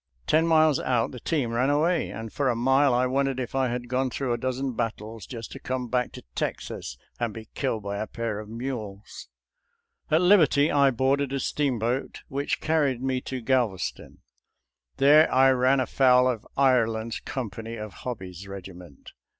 Ten miles out the team ran away, and for a mile I wondered if I had gone through a dozen battles just to come back to Texas and be killed by a pair of mules. At Liberty I boarded a steamboat which carried me to Galves 290 SOLDIER'S LETTEES TO CHARMING NBIiLIB ton. There I ran afoul of Ireland's company of Hobby's regiment.